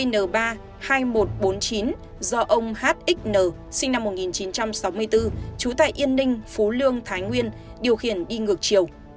hai mươi n ba mươi hai nghìn một trăm bốn mươi chín do ông hxn sinh năm một nghìn chín trăm sáu mươi bốn trú tại yên ninh phú lương thái nguyên điều khiển đi ngược chiều